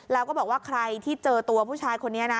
แล้วก็บอกว่าใครที่เจอตัวผู้ชายคนนี้นะ